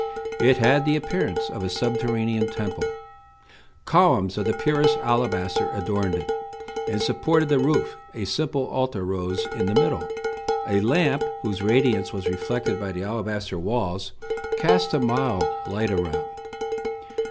It had the appearance of a subterranean temple. Columns of the purest alabaster adorned it, and supported the roof; a simple altar rose in the middle; a lamp, whose radiance was reflected by the alabaster walls, cast a mild light around.